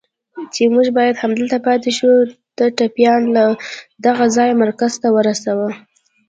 چې موږ باید همدلته پاتې شو، ته ټپيان له دغه ځایه مرکز ته ورسوه.